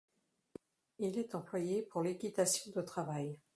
Il est employé pour l'équitation de travail.